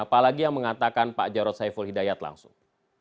apalagi yang mengatakan pak jarod saiful hidayat langsung